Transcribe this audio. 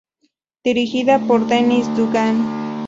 Dirigida por Dennis Dugan.